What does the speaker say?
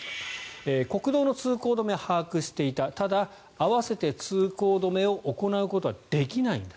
国道の通行止めは把握していたただ、合わせて通行止めを行うことはできないんだ。